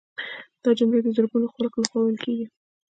دا جمله د زرګونو خلکو لخوا ویل کیږي